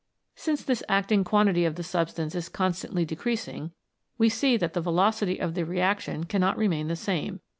Since this acting quantity of the substance is constantly de creasing, we see that the velocity of the reaction cannot remain the same.